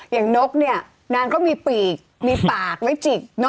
อย่างนกนี่นางก็มีปีกมีปากไว้จิก